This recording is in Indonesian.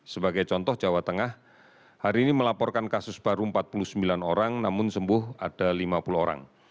sebagai contoh jawa tengah hari ini melaporkan kasus baru empat puluh sembilan orang namun sembuh ada lima puluh orang